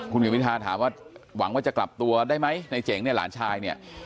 คุณกิจวิทาถามว่าหวังว่าจะกลับตัวได้ไหมในเจ๋งเนี่ยหลานชายเนี่ย